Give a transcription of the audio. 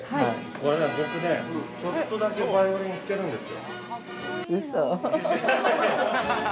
◆僕ね、ちょっとだけバイオリン弾けるんですよ。